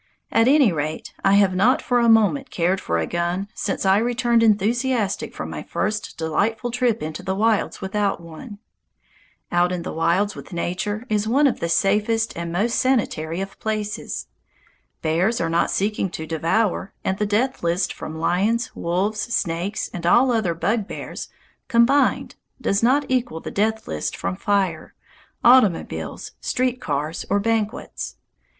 At any rate, I have not for a moment cared for a gun since I returned enthusiastic from my first delightful trip into the wilds without one. Out in the wilds with nature is one of the safest and most sanitary of places. Bears are not seeking to devour, and the death list from lions, wolves, snakes, and all other bugbears combined does not equal the death list from fire, automobiles, street cars, or banquets.